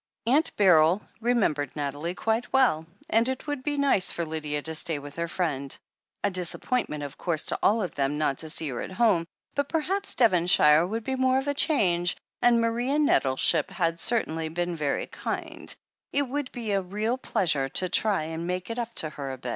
Aunt Beryl remembered Nathalie quite well, and it would be nice for Lydia to stay with her friend. A disappointment, of course, to all of them, not to see her at home ; but perhaps Devonshire would be more of a change, and Maria Nettleship had certainly been very kind— it would be a real pleasure to try and make it up to her a bit.